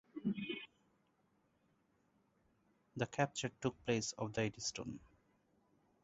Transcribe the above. The capture took place off the Eddystone.